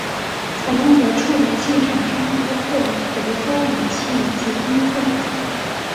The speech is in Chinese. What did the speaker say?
采用的处理器厂商包括德州仪器及英特尔。